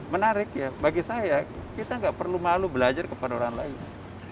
menarik ya bagi saya kita nggak perlu malu belajar kepada orang lain